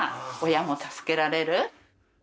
親も助けられる。